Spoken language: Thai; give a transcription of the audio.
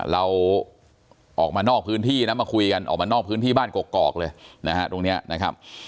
เราออกมานอกพื้นที่นะมาคุยกันออกมานอกพื้นที่บ้านกอกเลยนะฮะตรงนี้นะครับ